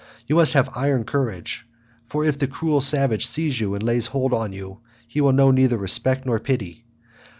You must have iron courage, for if the cruel savage sees you and lays hold on you, he will know neither respect nor pity.